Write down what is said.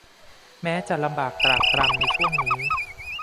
แม้จะลำบากตรากตรำในช่วงนี้